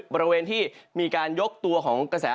บริเวณที่มีการยกตัวของกระแส